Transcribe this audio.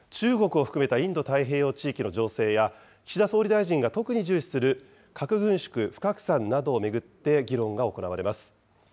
中国を含めたインド太平洋地域の情勢や、岸田総理大臣が特に重視する核軍縮・不拡散などを巡って議論が行われます。